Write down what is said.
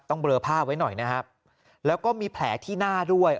เบลอผ้าไว้หน่อยนะครับแล้วก็มีแผลที่หน้าด้วย